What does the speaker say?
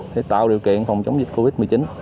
để tạo điều kiện phòng chống dịch covid một mươi chín